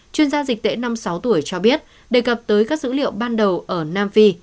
chuyên gia dịch tễ năm mươi sáu tuổi cho biết đề cập tới các dữ liệu ban đầu ở nam phi